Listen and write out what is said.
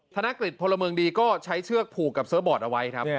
ธนกฤทธิ์พลเมิงดีก็ใช้เชื่อกผูกกับเสิร์ฟบอร์ดเอาไว้